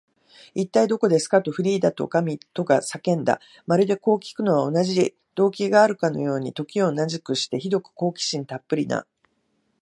「いったい、どこですか？」と、フリーダとおかみとが叫んだ。まるで、こうきくのには同じ動機があるかのように、時を同じくして、ひどく好奇心たっぷりな